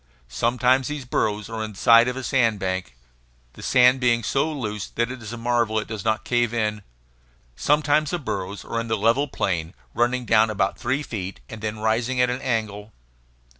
Sometimes these burrows are in the side of a sand bank, the sand being so loose that it is a marvel that it does not cave in. Sometimes the burrows are in the level plain, running down about three feet, and then rising at an angle.